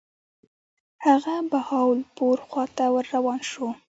هغه بهاولپور خواته ور روان شو.